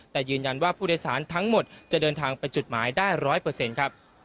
แต่ยืนยันว่าผู้โดยสารทั้งหมดจะเดินทางไปจุดหมายได้๑๐๐ครับ